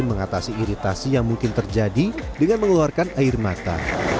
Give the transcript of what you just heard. mengatasi iritasi yang mungkin terjadi dengan mengeluarkan air mata